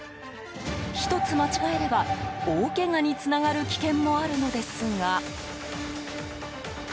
１つ間違えれば大けがにつながる危険もあるんですが。